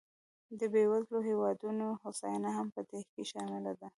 د بېوزلو هېوادونو هوساینه هم په دې کې شامله ده.